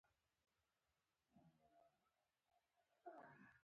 د لاس په تڼاکو ګټل سوې روزي برکتي وي.